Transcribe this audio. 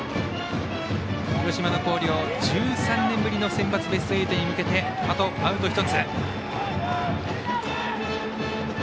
広島の広陵、１３年ぶりのセンバツベスト８に向けてあとアウト１つ。